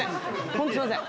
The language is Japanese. ホントすいません。